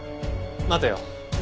待てよ。